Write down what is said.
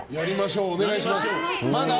お願いします。